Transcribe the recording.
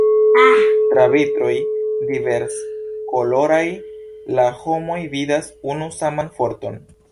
Tra vitroj diverskoloraj la homoj vidas unu saman Forton.